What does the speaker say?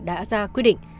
đã ra quyết định